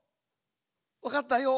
わかったよ。